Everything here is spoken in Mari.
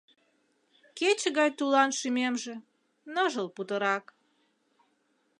Кече гай тулан шӱмемже Ныжыл путырак.